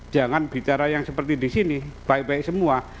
jangan bicara yang seperti di sini baik baik semua